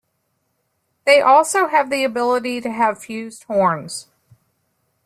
They also have the ability to have fused horns.